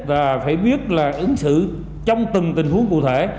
và phải biết là ứng xử trong từng tình huống cụ thể